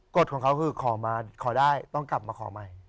กฎของเขาคือขอมาขอได้ต้องกลับมาขอใหม่